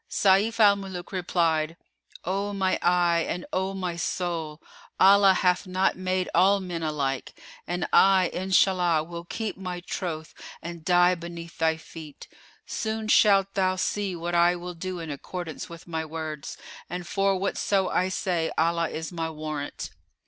Sayf al Muluk replied, "O my eye and O my soul, Allah hath not made all men alike, and I, Inshallah, will keep my troth and die beneath thy feet. Soon shalt thou see what I will do in accordance with my words, and for whatso I say Allah is my warrant."